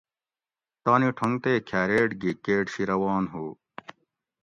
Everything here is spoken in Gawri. تانی ٹھونگ تے کھاریٹ گی کیٹ شی روان ہُو